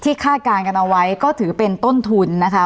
คาดการณ์กันเอาไว้ก็ถือเป็นต้นทุนนะคะ